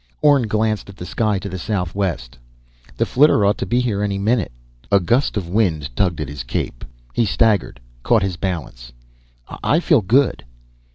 Orne glanced at the sky to the southwest. "The flitter ought to be here any minute." A gust of wind tugged at his cape. He staggered, caught his balance. "I feel good."